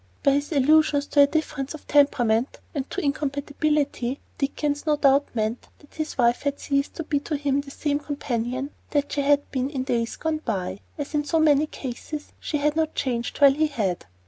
By his allusions to a difference of temperament and to incompatibility, Dickens no doubt meant that his wife had ceased to be to him the same companion that she had been in days gone by. As in so many cases, she had not changed, while he had.